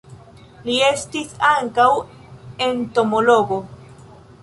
Li estis ankaŭ entomologo.